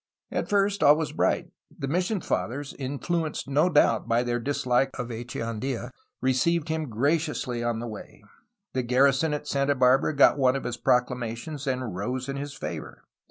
At first all was bright. The mission Fathers, influenced no doubt by their dislike of Echeandla, received him graciously on the way. The garrison at Santa Barbara got one of his proclamations, and rose in his favor.